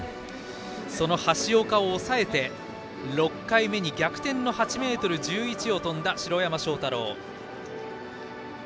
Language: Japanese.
その橋岡を抑えて６回目に逆転の８ｍ１１を跳んだ城山正太郎です。